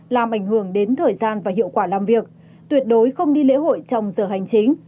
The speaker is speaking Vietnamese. làm ảnh hưởng đến thời gian và hiệu quả làm việc tuyệt đối không đi lễ hội trong giờ hành chính